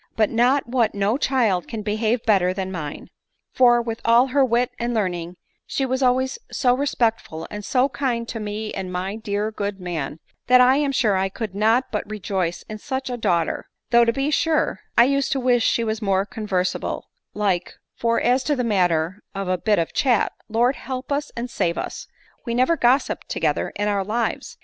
Not but what no child can behave better than mine; 8* 14 ADELINE MOWBRAY. for, with all her wit and learning, she was always so re spectful, and so kind to me and my dear good man, that I am sure I could not but rejoice in such a daughter ; though, to be sure, I used to wish she was more conversable like; for, as to the matter of a bit of chat, Lord help us and save us 1 we never gossiped together in our lives.